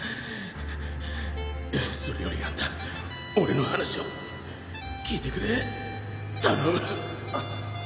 ハァそれよりアンタ俺の話を聞いてくれ頼む！